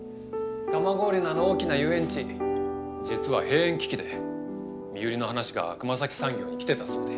蒲郡のあの大きな遊園地実は閉園危機で身売りの話が熊咲産業に来てたそうで。